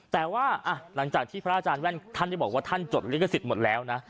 แต่ว่าหลังจากที่พระอาจารย์แว่นท่านได้บอกว่าท่านจดลิขสิทธิ์หมดแล้วนะ